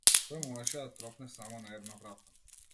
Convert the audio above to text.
Тој можеше да тропне само на една врата.